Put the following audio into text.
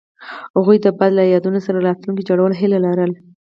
هغوی د باد له یادونو سره راتلونکی جوړولو هیله لرله.